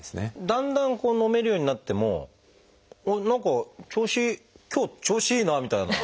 だんだん飲めるようになってもあっ何か調子今日調子いいなみたいな。